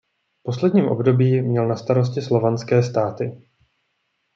V posledním období měl na starosti slovanské státy.